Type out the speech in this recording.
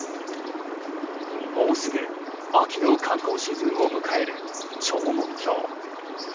もうすぐ秋の観光シーズンを迎える長門峡。